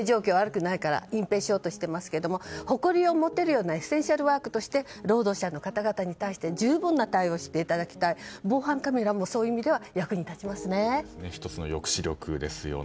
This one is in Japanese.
隠蔽しようとしていますけど誇りを持てるようなエッセンシャルワークとして労働者の方たちに対して十分な対応をしていただきたい防犯カメラもそういう意味では役に立ちますね。